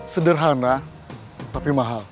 sederhana tapi mahal